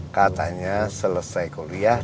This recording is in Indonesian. katanya selesai kuliah